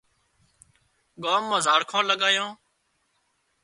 ڳام مان زاڙکان لڳايان